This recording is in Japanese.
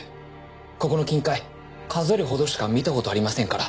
ここの金塊数えるほどしか見た事ありませんから。